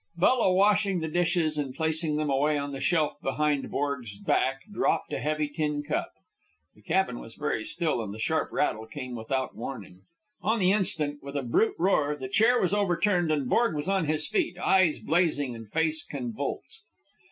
Bella, washing the dishes and placing them away on the shelf behind Borg's back, dropped a heavy tin cup. The cabin was very still, and the sharp rattle came without warning. On the instant, with a brute roar, the chair was overturned and Borg was on his feet, eyes blazing and face convulsed.